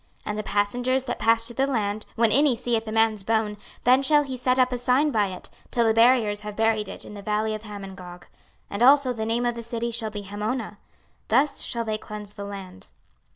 26:039:015 And the passengers that pass through the land, when any seeth a man's bone, then shall he set up a sign by it, till the buriers have buried it in the valley of Hamongog. 26:039:016 And also the name of the city shall be Hamonah. Thus shall they cleanse the land.